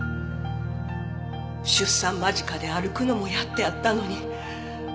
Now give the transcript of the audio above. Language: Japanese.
出産間近で歩くのもやっとやったのに。